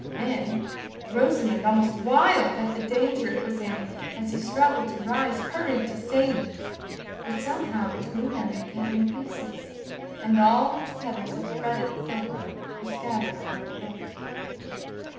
Then Rosamond, almost wild at the danger it was in as he struggled to rise, hurried to save it, but somehow between them it came in pieces, and all its petals of fretted silver were scattered about the boat.